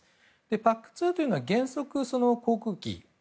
ＰＡＣ２というのは原則、航空機。